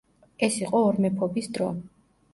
ეს იყო ორმეფობის დრო.